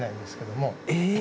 え？